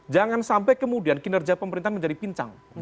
jangan sampai kemudian kinerja pemerintahan menjadi pincang